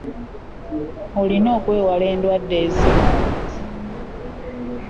Olina okwewala enddwadde ezimu.